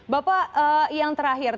bapak yang terakhir